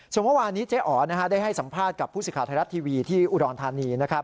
ส่วนเมื่อวานนี้เจ๊อ๋อได้ให้สัมภาษณ์กับผู้สิทธิ์ไทยรัฐทีวีที่อุดรธานี